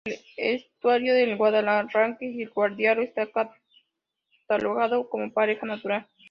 El estuario del Guadarranque y el Guadiaro está catalogado como paraje natural.